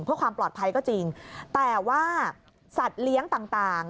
เพื่อความปลอดภัยก็จริงแต่ว่าสัตว์เลี้ยงต่าง